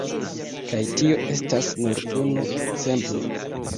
Kaj tio estas nur unu ekzemplo.